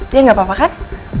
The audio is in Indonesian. dia nggak apa apa kan